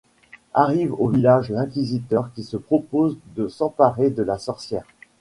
Arrive au village l'Inquisiteur qui se propose de s'emparer de la sorcière.